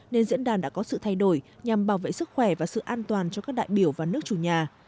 nên diễn đàn đã có sự thay đổi nhằm bảo vệ sức khỏe và sự an toàn cho các đại biểu và nước chủ nhà